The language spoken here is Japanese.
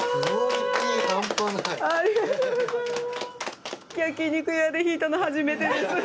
ありがとうございます。